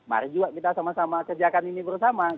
mari juga kita sama sama kerjakan ini bersama